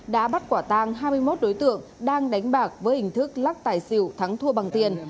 đã bắt quả tang hai mươi một đối tượng đang đánh bạc với hình thức lắc tài xỉu thắng thua bằng tiền